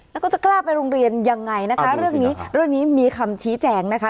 แล้วก็จะกล้าไปโรงเรียนยังไงนะคะเรื่องนี้เรื่องนี้มีคำชี้แจงนะคะ